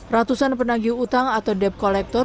ratusan penagih utang atau debt collector